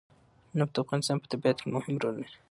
نفت د افغانستان په طبیعت کې مهم رول لري.